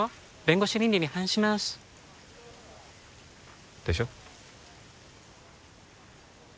弁護士倫理に反しますでしょ？